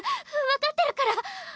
分かってるから。